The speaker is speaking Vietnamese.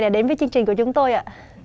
đã đến với chương trình của chúng tôi ạ